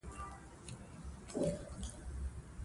دې کتاب د لوستونکو باورونه پیاوړي کړل.